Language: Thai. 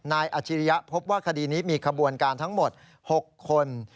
อาชิริยะพบว่าคดีนี้มีขบวนการทั้งหมด๖คน